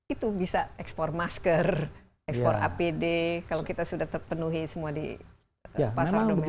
itu bisa ekspor masker ekspor apd kalau kita sudah terpenuhi semua di pasar domestik